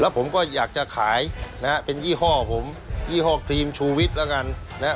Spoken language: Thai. ผมก็อยากจะขายนะฮะเป็นยี่ห้อผมยี่ห้อครีมชูวิทย์แล้วกันนะฮะ